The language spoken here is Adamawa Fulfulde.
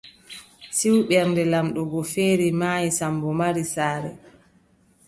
Ciw, Ɓernde laamɗo go feeri, maayi, Sammbo mari saare.